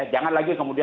jangan lagi kemudian